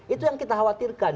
itu yang kita khawatirkan